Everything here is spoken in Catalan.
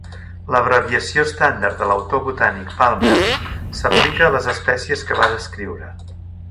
L'abreviació estàndard de l'autor botànic Palmer s'aplica a les espècies que va descriure.